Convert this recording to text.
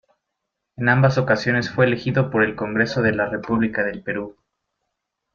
En ambas ocasiones fue elegido por el Congreso de la República del Perú.